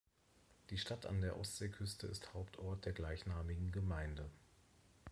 Die Stadt an der Ostseeküste ist Hauptort der gleichnamigen Gemeinde.